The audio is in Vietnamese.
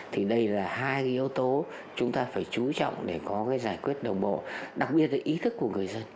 thì đây là hai cái yếu tố chúng ta phải chú trọng để có cái giải quyết đồng bộ đặc biệt là ý thức của người dân